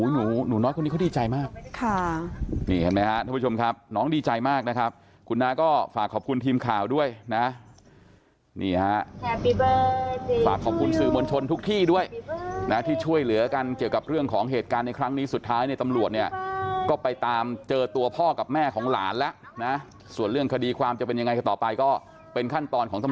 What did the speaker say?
หนูหนูน้อยคนนี้เขาดีใจมากค่ะนี่เห็นไหมฮะท่านผู้ชมครับน้องดีใจมากนะครับคุณน้าก็ฝากขอบคุณทีมข่าวด้วยนะนี่ฮะฝากขอบคุณสื่อมวลชนทุกที่ด้วยนะที่ช่วยเหลือกันเกี่ยวกับเรื่องของเหตุการณ์ในครั้งนี้สุดท้ายในตำรวจเนี่ยก็ไปตามเจอตัวพ่อกับแม่ของหลานแล้วนะส่วนเรื่องคดีความจะเป็นยังไงกันต่อไปก็เป็นขั้นตอนของต